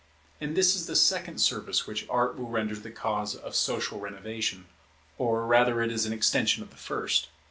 And this is the second service which Art will render to the cause of social renovation; or rather it is an extension of the first.